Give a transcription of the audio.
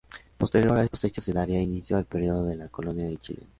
Posterior a estos hechos se daría inicio al periodo de la Colonia de Chile.